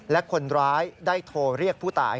และคนร้ายได้โทรเรียกผู้ตาย